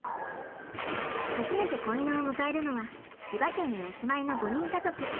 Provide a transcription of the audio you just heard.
初めて子犬を迎えるのは千葉県にお住まいの５人家族。